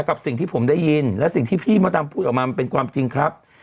กับสิ่งที่ผมได้ยินและสิ่งที่พี่มดดำพูดออกมามันเป็นความจริงครับ